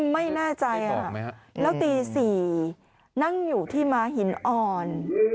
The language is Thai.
ไม่แน่ใจแล้วตี๔นั่งอยู่ที่ม้าหินอ่อน